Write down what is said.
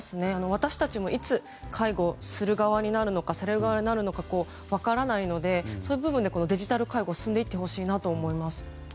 私たちもいつ介護をする側になるのかされる側になるのか分からないのでそういう部分でデジタル介護が進んでいってほしいと思います。